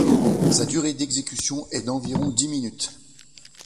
Sa durée d'exécution est d'environ dix minutes.